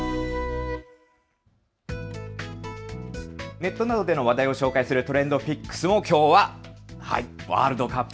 ネットなどでの話題を紹介するＴｒｅｎｄＰｉｃｋｓもきょうはワールドカップ。